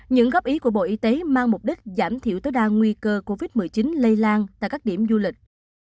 những góp ý của bộ y tế mang mục đích giảm thiểu tối đa nguy cơ covid một mươi chín lây lan tại các điểm du lịch